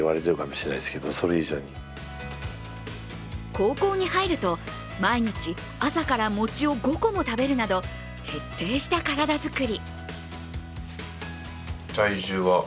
高校に入ると、毎日朝から餅を５個も食べるなど徹底した体作り。